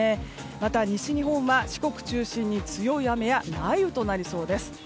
また、西日本は四国中心に強い雨や雷雨となりそうです。